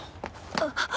あっ。